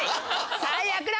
最悪だ！